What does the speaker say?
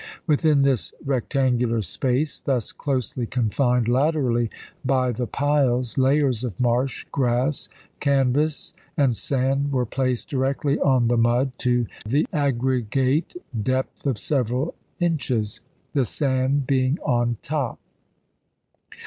Within this rectangular space, thus closely confined laterally by the piles, layers of marsh grass, canvas, and sand were placed directly on the mud, to the aggregate depth of several inches, the sand being on top.